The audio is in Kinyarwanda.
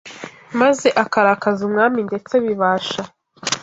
maze akarakaza umwami, ndetse bibasha